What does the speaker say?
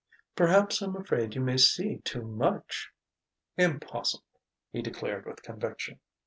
"Perhaps I'm afraid you may see too much...." "Impossible!" he declared with conviction.